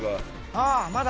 ああまだ